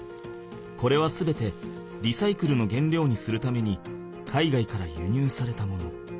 これは全てリサイクルの原料にするために海外からゆにゅうされたもの。